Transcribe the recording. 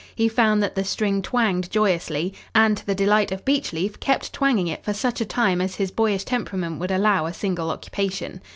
He found that the string twanged joyously, and, to the delight of Beechleaf, kept twanging it for such time as his boyish temperament would allow a single occupation.